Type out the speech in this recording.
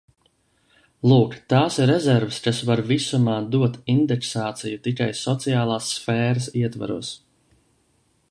Lūk, tās ir rezerves, kas var visumā dot indeksāciju tikai sociālās sfēras ietvaros.